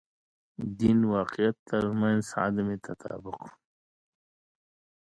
دین واقعیت تر منځ عدم تطابق.